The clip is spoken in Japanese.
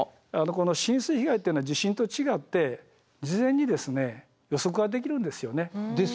この浸水被害っていうのは地震と違って事前に予測ができるんですよね。ですね。